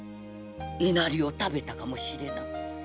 稲荷を食べたかもしれない。